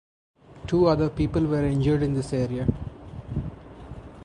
Two other people were injured in this area.